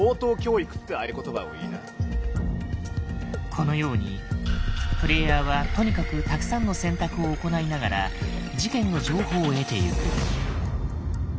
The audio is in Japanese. このようにプレイヤーはとにかくたくさんの選択を行いながら事件の情報を得てゆく。